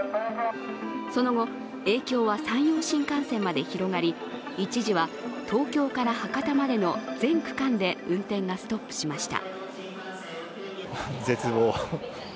その後、影響は山陽新幹線まで広がり、一時は東京から博多までの全区間で運転がストップしました。